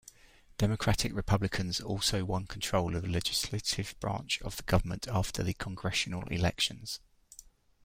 Democratic-Republicans also won control of the legislative branch of government after the congressional elections.